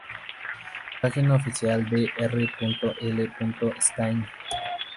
Página oficial de R. L. Stine